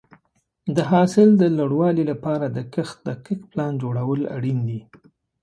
د حاصل د لوړوالي لپاره د کښت دقیق پلان جوړول اړین دي.